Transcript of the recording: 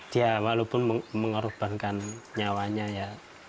dia walaupun mengorbankan nyawanya ya